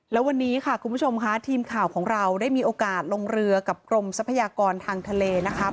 แล้ววันนี้ค่ะคุณผู้ชมค่ะทีมข่าวของเราได้มีโอกาสลงเรือกับกรมทรัพยากรทางทะเลนะครับ